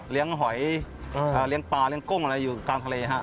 หอยเลี้ยงปลาเลี้ยงกุ้งอะไรอยู่กลางทะเลฮะ